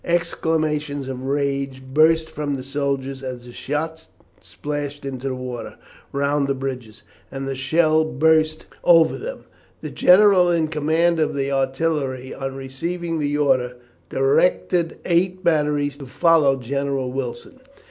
Exclamations of rage burst from the soldiers as the shot splashed into the water round the bridges and the shell burst over them. The general in command of the artillery, on receiving the order, directed eight batteries to follow General Wilson.